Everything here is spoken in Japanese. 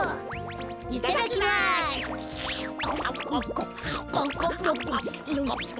いただきます！